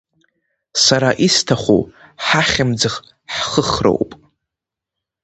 Сара исҭаху ҳахьымӡӷ ҳхыхроуп…